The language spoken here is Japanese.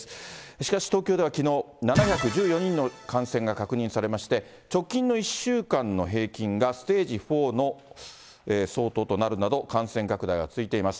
しかし東京ではきのう、７１４人の感染が確認されまして、直近の１週間の平均がステージ４の相当となるなど、感染拡大は続いています。